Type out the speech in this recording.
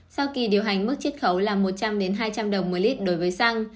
sau kỳ điều hành mức chiết khấu là một trăm linh hai trăm linh đồng một lít đối với xăng